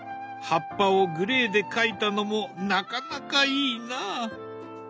葉っぱをグレーで描いたのもなかなかいいな。